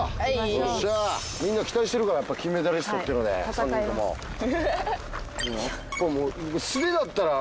よっしゃーみんな期待してるからやっぱ金メダリストっていうので・はい戦います